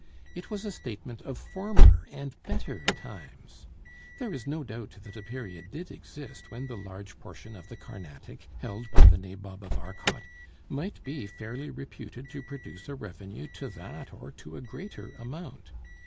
It was a statement of former and better times. There is no doubt that a period did exist when the large portion of the Carnatic held by the Nabob of Arcot might be fairly reputed to produce a revenue to that, or to a greater amount.